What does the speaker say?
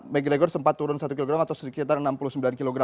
mcgregor sempat turun satu kg atau sekitar enam puluh sembilan kg